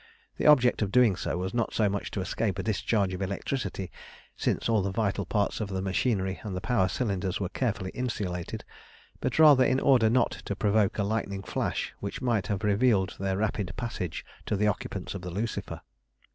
The object of doing so was not so much to escape a discharge of electricity, since all the vital parts of the machinery and the power cylinders were carefully insulated, but rather in order not to provoke a lightning flash which might have revealed their rapid passage to the occupants of the Lucifer.